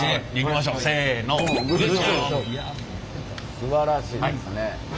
すばらしいですね。